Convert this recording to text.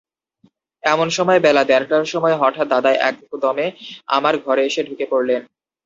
এমন সময়ে বেলা দেড়টার সময় হঠাৎ দাদা একদমে আমার ঘরে এসে ঢুকে পড়লেন।